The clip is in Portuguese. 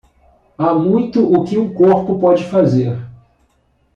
Há muito o que um corpo pode fazer.